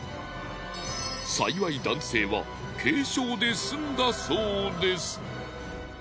幸い男性は軽傷で済んだそうです。